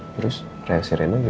terus reaksi fungsi rena gimana